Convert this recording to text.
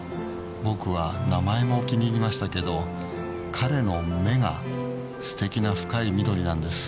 僕は名前も気に入りましたけど彼の目がすてきな深い緑なんです。